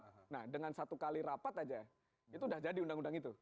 kalau kita melihatnya lebih rapat saja itu sudah jadi undang undang itu